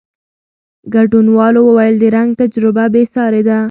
ګډونوالو وویل، د رنګ تجربه بېساري وه.